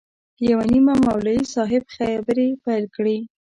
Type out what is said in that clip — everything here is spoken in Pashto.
یو نیمه مولوي صاحب خبرې پیل کړې.